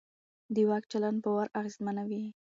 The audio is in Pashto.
د واک چلند باور اغېزمنوي